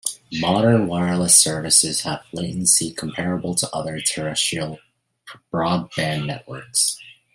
Modern wireless services have latency comparable to other terrestrial broadband networks.